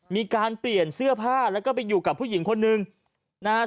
มีการเปลี่ยนเสื้อผ้าแล้วก็ไปอยู่กับผู้หญิงคนหนึ่งนะฮะ